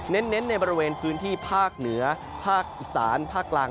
เน้นในบริเวณพื้นที่ภาคเหนือภาคอีสานภาคกลาง